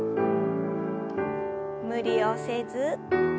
無理をせず。